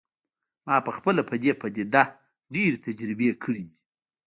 ما پخپله په دې پدیده ډیرې تجربې کړي دي